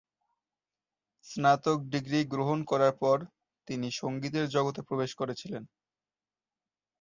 স্নাতক ডিগ্রী গ্রহণ করার পর তিনি সংগীতের জগতে প্রবেশ করেছিলেন।